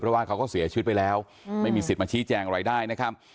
เพราะว่าเขาก็เสียชีวิตไปแล้วไม่มีสิทธิ์มาชี้แจงอะไรได้นะครับ